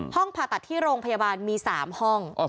ผ่าตัดที่โรงพยาบาลมี๓ห้อง